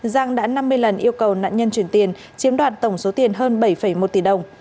giang đã năm mươi lần yêu cầu nạn nhân chuyển tiền chiếm đoạt tổng số tiền hơn bảy một tỷ đồng